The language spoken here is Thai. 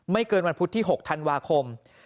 เกินวันพุธที่๖ธันวาคม